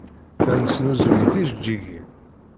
La nesnuzuy tijeǧǧigin.